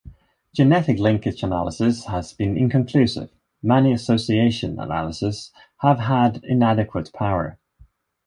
Genetic linkage analysis has been inconclusive; many association analyses have had inadequate power.